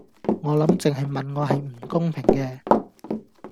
我諗淨係問我係唔公平嘅